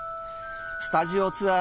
スタジオツアー